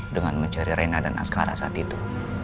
dengan mencari reina dan askara saat itu